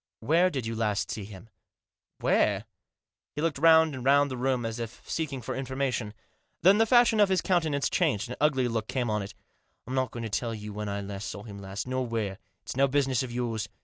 " Where did you last see him ?"" Where ?" He looked round and round the room, as if seeking for information. Then the fashion of his countenance changed, an ugly look came on it. " I'm not going to tell you when I saw him last, nor where. It's no business of yours.